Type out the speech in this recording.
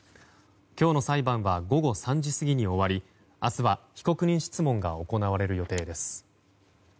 今日の裁判は午後３時過ぎに終わり明日は被告人質問が行われる予定です。